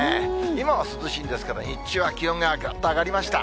今は涼しいんですけれども、日中は気温がぐっと上がりました。